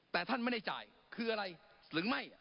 แต่ท่านไม่ได้จ่ายคืออะไรหรือไม่